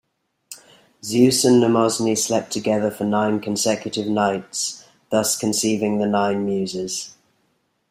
Zeus and Mnemosyne slept together for nine consecutive nights, thus conceiving the nine Muses.